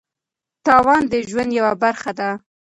تاوان د ژوند یوه برخه ده.